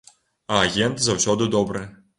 А агент заўсёды добры.